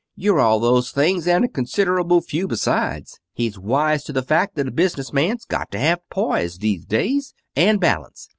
You're all those things and considerable few besides. He's wise to the fact that a business man's got to have poise these days, and balance.